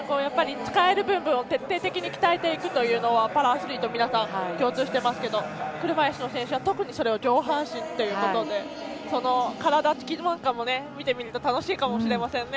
使える部分を徹底的に鍛えていくというのはパラアスリートの皆さん共通していますけど車いすの選手は特に上半身ということで体つきなんかも見てみると楽しいかもしれませんね。